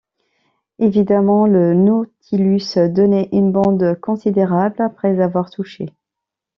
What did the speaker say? Évidemment, le Nautilus donnait une bande considérable après avoir touché.